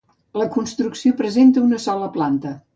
La construcció presenta una sola planta.